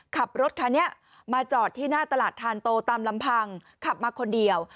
ขับรถคันนี้มาจอดที่หน้าตลาดทานโตตามลำพังขับมาคนเดียว